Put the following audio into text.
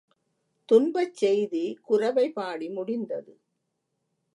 துன்பச் செய்தி குரவை பாடி முடிந்தது.